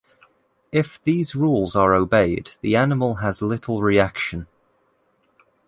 If these rules are obeyed the animal has little reaction.